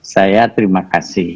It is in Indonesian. saya terima kasih